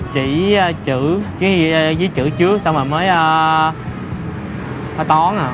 chỉ chữ chứ dưới chữ chứa xong mới thoát tón à